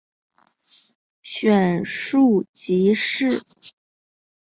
选庶吉士。